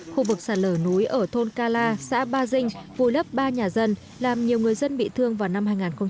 khu vực sạt lở núi ở thôn ca la xã ba dinh vùi lấp ba nhà dân làm nhiều người dân bị thương vào năm hai nghìn một mươi